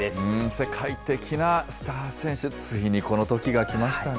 世界的なスター選手、ついにこのときが来ましたね。